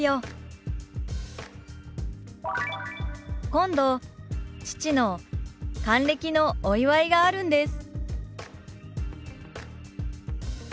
「今度父の還暦のお祝いがあるんです」。